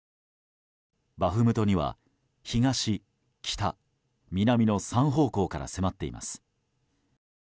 バフムトには東、北、南の３方向から迫っています。